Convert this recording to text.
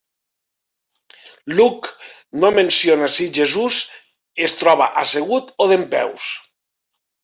Luke no menciona si Jesús es troba assegut o dempeus.